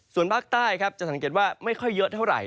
ส่วนภาคใต้ครับจะสังเกตว่าไม่ค่อยเยอะเท่าไหร่